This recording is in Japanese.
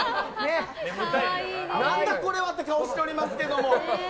何だこれはって顔してますけれども。